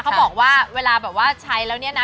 เขาบอกว่าเวลาแบบว่าใช้แล้วเนี่ยนะ